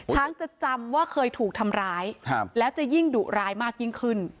จะจำว่าเคยถูกทำร้ายแล้วจะยิ่งดุร้ายมากยิ่งขึ้น